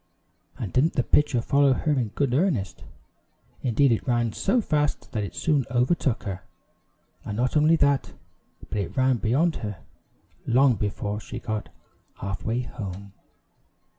And didn't the pitcher follow her in good earnest! Indeed, it ran so fast that it soon overtook her, and not only that, but it ran beyond her, long before she got half way home.